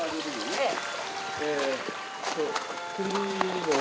いいえ。